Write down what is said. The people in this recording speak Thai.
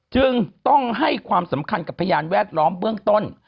จึงต้องให้ความสำคัญกับพยานแวดล้อมเบื้องต้น